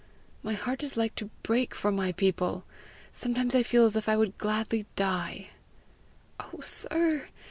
My heart is like to break for my people. Sometimes I feel as if I would gladly die." "Oh, sir!